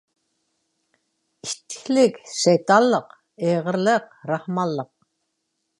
ئىتتىكلىك—شەيتانلىق، ئېغىرلىق—راھمانلىق.